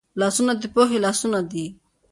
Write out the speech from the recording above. لاسونه د پوهې لاسونه دي